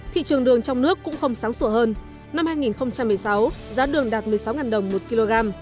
thị trường đường trong nước cũng không sáng sủa hơn năm hai nghìn một mươi sáu giá đường đạt một mươi sáu đồng một kg